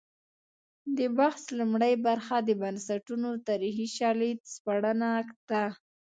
د بحث لومړۍ برخه د بنسټونو تاریخي شالید سپړنه ده.